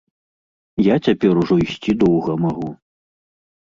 Я цяпер ужо ісці доўга магу.